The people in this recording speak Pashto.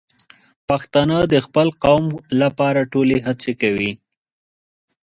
پښتانه د خپل قوم لپاره ټولې هڅې کوي.